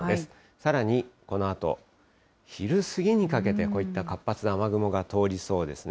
さらにこのあと昼過ぎにかけて、こういった活発な雨雲が通りそうですね。